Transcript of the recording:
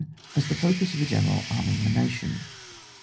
As the focus of a general arming of the nation.